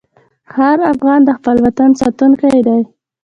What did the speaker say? هر افغان د خپل وطن ساتونکی دی.